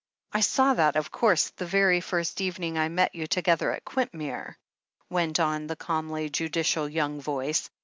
"I saw that, of course, the very first evening I met you together at Quintmere," went on the calmly judicial young voice.